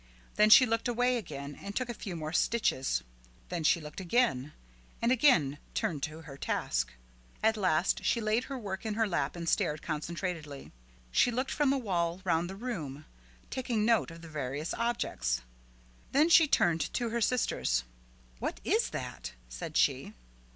Then she looked away again and took a few more stitches, then she looked again, and again turned to her task. At last she laid her work in her lap and stared concentratedly. She looked from the wall round the room, taking note of the various objects. Then she turned to her sisters. "What is that?" said she.